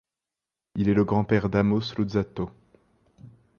Il est le grand-père d'Amos Luzzatto.